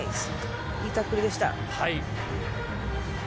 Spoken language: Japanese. いいタックルでした。